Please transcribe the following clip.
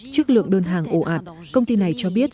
chức lượng đơn hàng ổ ạt công ty này cho biết